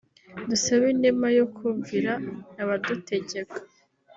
dusabe inema yo kumvira abadutegeka”